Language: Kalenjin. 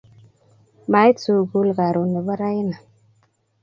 Mait sukul karon nebo raini